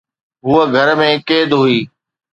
هوءَ گهر ۾ قيد هئي